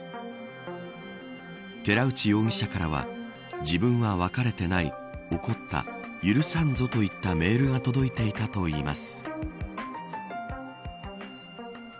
寺内容疑者からは自分は別れていない怒った、許さんぞといったメールも届いていたといいます。